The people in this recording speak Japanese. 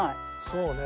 そうね。